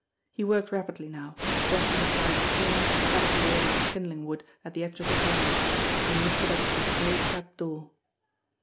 He worked rapidly now, brushing aside a thin, scat tered layer of the kindling wood at the edge of the pile and lifted up a small trap door.